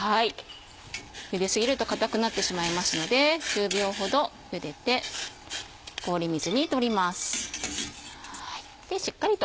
ゆで過ぎると硬くなってしまいますので１０秒ほどゆでて氷水に取ります。